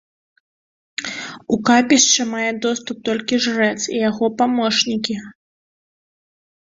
У капішча мае доступ толькі жрэц і яго памочнікі.